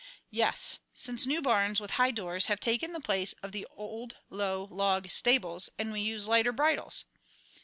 "Yes, since new barns with high doors have taken the place of the old, low log stables; and we use lighter bridles."